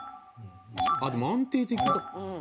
でも安定的だ。